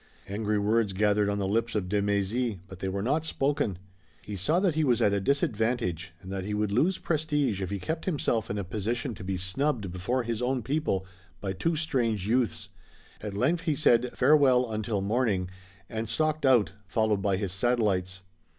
Angry words gathered on the lips of de Mézy, but they were not spoken. He saw that he was at a disadvantage, and that he would lose prestige if he kept himself in a position to be snubbed before his own people by two strange youths. At length he said: "Farewell until morning," and stalked out, followed by his satellites.